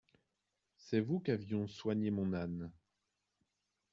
C'est vous qu'avions soigné mon âne.